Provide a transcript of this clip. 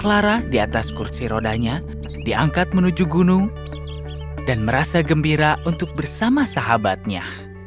clara di atas kursi rodanya diangkat menuju gunung dan merasa gembira untuk bersama sahabatnya